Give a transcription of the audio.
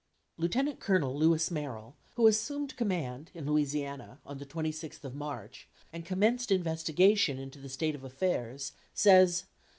Lieutenant Colonel Lewis Merrill, who assumed command (in Louisiana) on the 26th of March, and commenced investigation into the state of affairs, says (p.